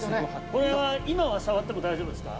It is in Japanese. これは今は触っても大丈夫ですか？